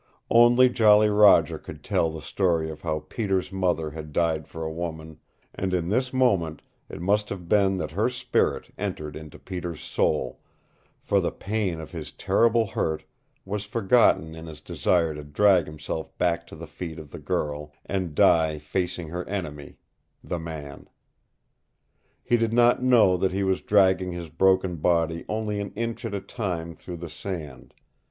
Only Jolly Roger could tell the story of how Peter's mother had died for a woman, and in this moment it must have been that her spirit entered into Peter's soul, for the pain of his terrible hurt was forgotten in his desire to drag himself back to the feet of the girl, and die facing her enemy the man. He did not know that he was dragging his broken body only an inch at a time through the sand.